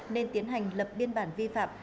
nên tiến hành lập biên bản vi phạm